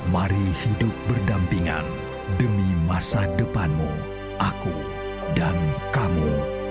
mari hidup berdampingan demi masa depanmu aku dan kamu